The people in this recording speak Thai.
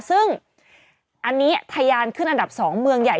ซึ่งอันนี้ทะยานขึ้นอันดับ๒เมืองใหญ่